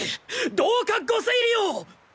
どうか御推理を！！